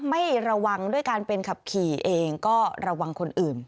ไม่ระวังด้วยการเป็นขับขี่เองก็ระวังคนอื่น